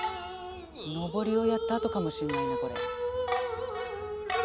上りをやったあとかもしんないなこれ。